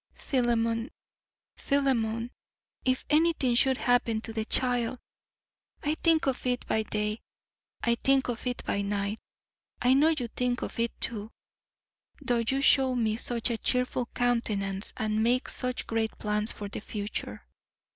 Philemon, Philemon, if anything should happen to the child! I think of it by day, I think of it by night. I know you think of it too, though you show me such a cheerful countenance and make such great plans for the future.